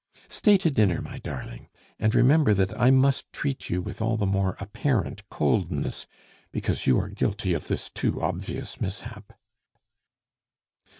"Stay to dinner, my darling and remember that I must treat you with all the more apparent coldness because you are guilty of this too obvious mishap."